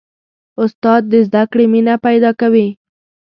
استاد د زده کړې مینه پیدا کوي.